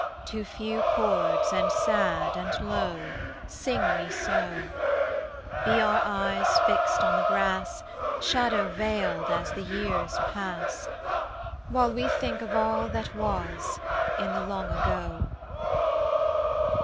To few chords and sad and low Sing we so: Be our eyes fixed on the grass Shadow veiled as the years pass, While we think of all that was In the long ago.